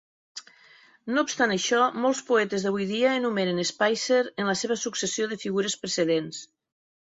No obstant això, molts poetes d'avui dia enumeren Spicer en la seva successió de figures precedents.